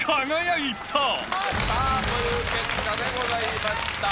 という結果でございました。